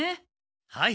はい。